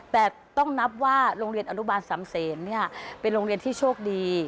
แต่ต้องนับว่าโรงเรียนอนุบาลสามเสนเป็นโรงเรียนที่โชคดี